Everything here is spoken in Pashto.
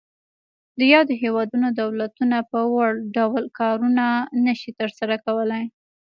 د یادو هیوادونو دولتونه په وړ ډول کارونه نشي تر سره کولای.